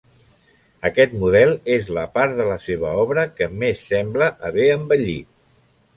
Aquest model és la part de la seva obra que més sembla haver envellit.